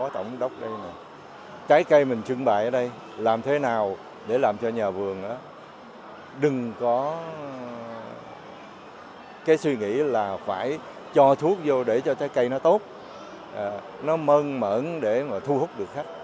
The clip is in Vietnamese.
trái cây mình trưng bại ở đây làm thế nào để làm cho nhà vườn đừng có cái suy nghĩ là phải cho thuốc vô để cho trái cây nó tốt nó mơn mởn để mà thu hút được khách